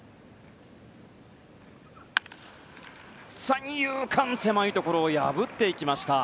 三遊間、狭いところを破っていきました。